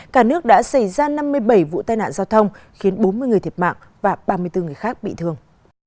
cả nước đã xảy ra năm mươi bảy vụ tai nạn giao thông khiến bốn mươi người thiệt mạng và ba mươi bốn người khác bị thương